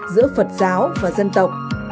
giữa phật giáo và dân tộc